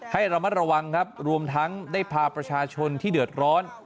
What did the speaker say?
ให้ระมัดระวังครับรวมทั้งได้พาประชาชนที่เดือดร้อน